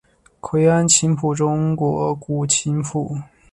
愧庵琴谱中国古琴谱。